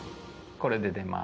これで出ます。